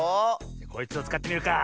こいつをつかってみるか。